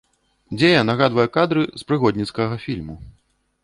Дзея нагадвае кадры з прыгодніцкага фільму.